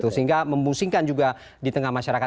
sehingga memusingkan juga di tengah masyarakat